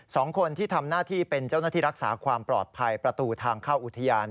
สองคนที่ทำหน้าที่เป็นเจ้าหน้าที่รักษาความปลอดภัยประตูทางเข้าอุทยาน